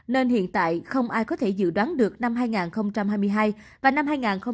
nên hiện tại không ai có thể dự đoán được năm hai nghìn hai mươi hai